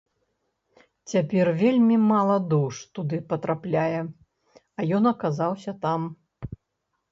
Цяпер вельмі мала душ туды патрапляе, а ён аказаўся там.